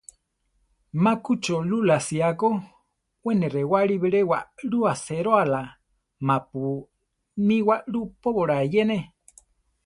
Má ku Cholula sía ko, we ne rewále bilé waʼlú aséroala ma-pu mí waʼlú póbola eyéne.